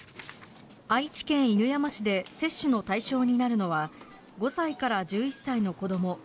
愛知県犬山市で接種の対象になるのは５歳から１１歳の子ども